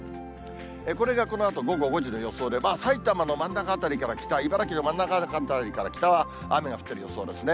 これがこのあと午後５時の予想で、埼玉の真ん中辺りから北、茨城の真ん中辺りから北は、雨が降ってる予想ですね。